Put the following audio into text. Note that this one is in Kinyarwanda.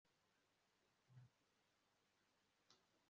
na byo bijyana na wo ikuzimu